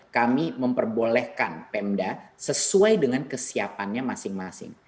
kami memperbolehkan pemda sesuai dengan kesiapannya masing masing